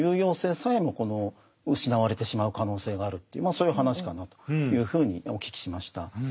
そういう話かなというふうにお聞きしました。